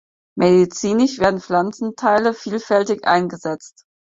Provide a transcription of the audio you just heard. Medizinisch werden Pflanzenteile vielfältig eingesetzt.